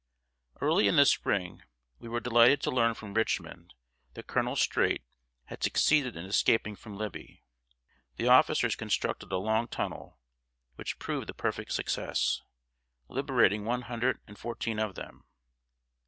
] Early in the Spring we were delighted to learn from Richmond that Colonel Streight had succeeded in escaping from Libby. The officers constructed a long tunnel, which proved a perfect success, liberating one hundred and fourteen of them.